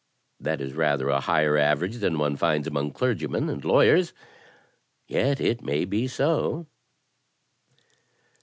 That is rather a higher average than one finds among clergymen and lawyers, yet it may be so.